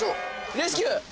レスキュー。